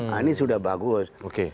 nah ini sudah bagus